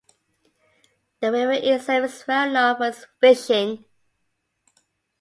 The river itself is well known for its fishing.